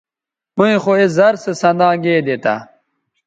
ھویں خو اے زر سو سنداں گیدے تھا